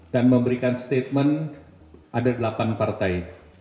dan memberikan statement ada delapan partai